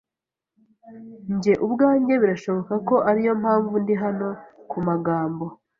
njye ubwanjye; birashoboka ko ariyo mpamvu ndi hano kumagambo.